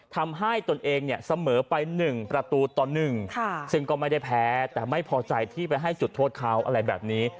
ตนเองเนี่ยเสมอไป๑ประตูต่อ๑ซึ่งก็ไม่ได้แพ้แต่ไม่พอใจที่ไปให้จุดโทษเขาอะไรแบบนี้